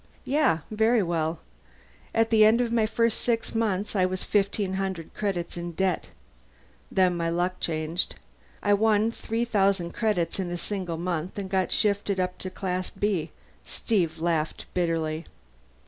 "Yeah. Very well. At the end of my first six months I was fifteen hundred credits in debt. Then my luck changed; I won three thousand credits in a single month and got shifted up to Class B." Steve laughed bitterly.